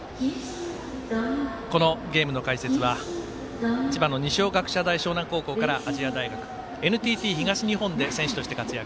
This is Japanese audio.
このゲームの解説は千葉の二松学舎大沼南高校から亜細亜大学、ＮＴＴ東日本で選手として活躍。